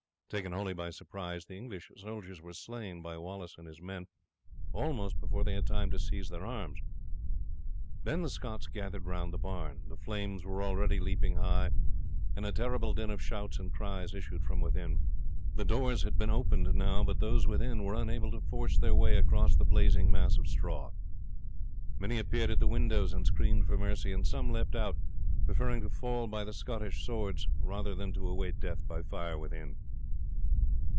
Taken wholly by surprise the English soldiers were slain by Wallace and his men almost before they had time to seize their arms. Then the Scots gathered round the barn. The flames were already leaping up high, and a terrible din of shouts and cries issued from within. The doors had been opened now, but those within were unable to force their way across the blazing mass of straw. Many appeared at the windows and screamed for mercy, and some leapt out, preferring to fall by the Scottish swords rather than to await death by fire within.